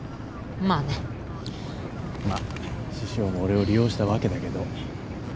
まあ獅子雄も俺を利用したわけだけど。